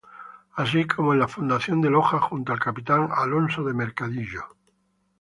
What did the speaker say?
Así como en en la fundación de Loja junto al capitán Alonso de Mercadillo,